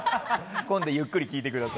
今度ゆっくり聞いてください。